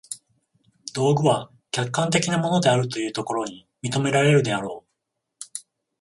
道具は客観的なものであるというところに認められるであろう。